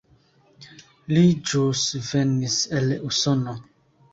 Li ĵus venis el Usono.